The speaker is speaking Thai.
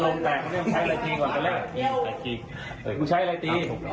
เออไปทดไปทด